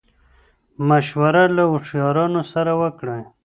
مشوره له هوښيارانو سره وکړئ.